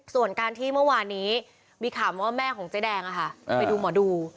ส่วนการที่เมื่อวานนี้มีข่าวมาว่าแม่ของเจ๊แดงไปดูหมอดู